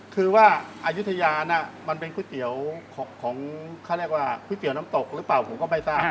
คือว่าอายุทยาน่ะมันเป็นก๋วยเตี๋ยวของเขาเรียกว่าก๋วยเตี๋ยวน้ำตกหรือเปล่าผมก็ไม่ทราบ